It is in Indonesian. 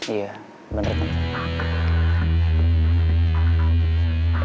iya bener tante